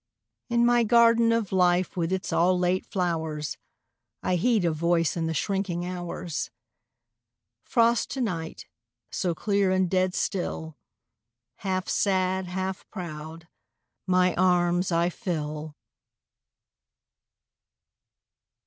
.... .In my garden of Life with its all late flowersI heed a Voice in the shrinking hours:"Frost to night—so clear and dead still" …Half sad, half proud, my arms I fill.